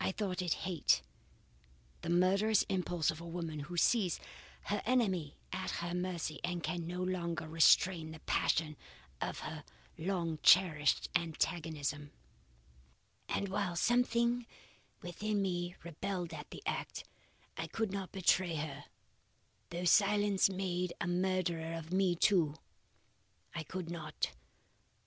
"I thought it hate the murderous impulse of a woman who sees her enemy at her mercy and can no longer restrain the passion of her long cherished antagonism; and while something within me rebelled at the act, I could not betray her, though silence made a murderer of me too. I could not.